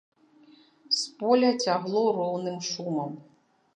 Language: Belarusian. З поля цягло роўным шумам.